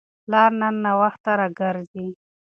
پلار نن ناوخته راګرځي.